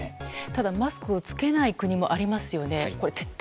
ただ、マスクを着けない国もありますよね。